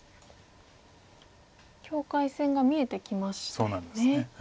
境界線が見えてきましたよね。